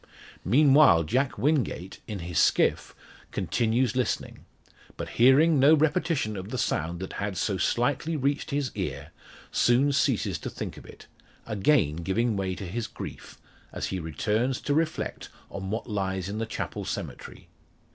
Meanwhile, Jack Wingate, in his skiff, continues listening. But hearing no repetition of the sound that had so slightly reached his ear, soon ceases to think of it; again giving way to his grief, as he returns to reflect on what lies in the chapel cemetery.